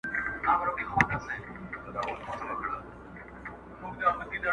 مور هڅه کوي کار ژر خلاص کړي او بې صبري لري,